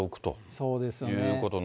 そうですね。